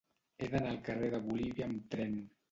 He d'anar al carrer de Bolívia amb tren.